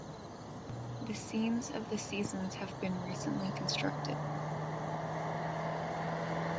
The scenes of the seasons have been recently constructed.